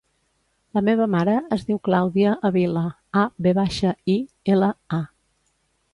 La meva mare es diu Clàudia Avila: a, ve baixa, i, ela, a.